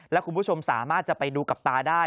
และคุณผู้ชมสามารถจะไปดูกับตาได้